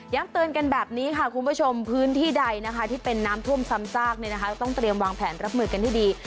เตือนกันแบบนี้ค่ะคุณผู้ชมพื้นที่ใดนะคะที่เป็นน้ำท่วมซ้ำซากต้องเตรียมวางแผนรับมือกันให้ดี